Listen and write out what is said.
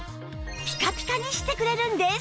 ピカピカにしてくれるんです